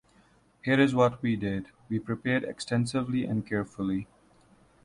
Here is what we did. We prepared extensively and carefully.